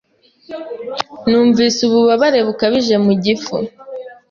Numvise ububabare bukabije mu gifu.